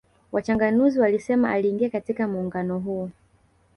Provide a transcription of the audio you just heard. Wachanganuzi walisema aliingia katika muungano huo